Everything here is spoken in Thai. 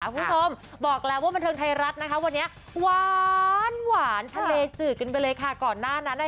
คุณผู้ชมบอกแล้วว่าบรรเทิงไทยรัฐนะคะวันนี้